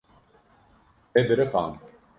Te biriqand.